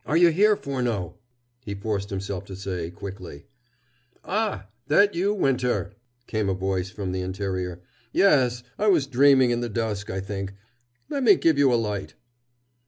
"Are you here, Furneaux?" he forced himself to say quickly. "Ah, that you, Winter!" came a voice from the interior. "Yes, I was dreaming in the dusk, I think. Let me give you a light."